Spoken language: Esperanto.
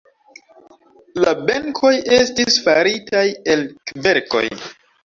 La benkoj estis faritaj el kverkoj.